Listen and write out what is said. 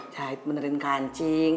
jahit benerin kancing